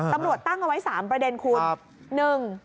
ตำรวจตั้งเอาไว้๓ประเด็นคุณ